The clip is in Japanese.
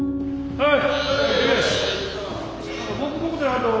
はい！